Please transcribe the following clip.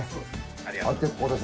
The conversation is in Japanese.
ありがとうございます。